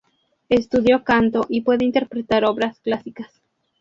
Estudió canto y puede interpretar obras clásicas.